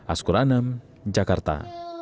askur anam jakarta